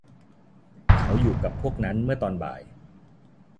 เขาอยู่กับพวกนั้นเมื่อตอนบ่าย